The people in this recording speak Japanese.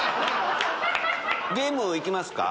ゲーム行きますか？